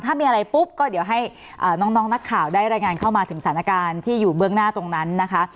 ถ้ามีอะไรปุ๊บก็เดี๋ยวให้น้องนักข่าวได้รายงานเข้ามาถึงสถานการณ์ที่อยู่เบื้องหน้าตรงนั้นนะคะ